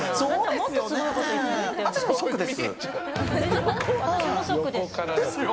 もっとすごいこといつも言ってるよ。